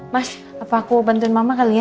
mas apa aku bantuin mama kali ya